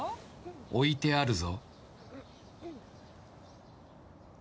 置いてあるぞ。